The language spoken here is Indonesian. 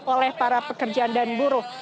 oleh para pekerjaan dan buruh